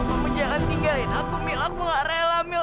kamu jangan tinggalin aku mil aku gak rela mil